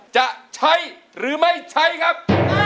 จะใช้หรือไม่ใช้ครับ